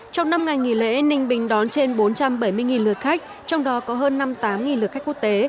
trong năm ngày nghỉ lễ ninh bình đón trên bốn trăm bảy mươi lượt khách trong đó có hơn năm mươi tám lượt khách quốc tế